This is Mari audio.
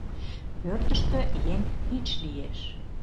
Пӧртыштӧ еҥ тич лиеш.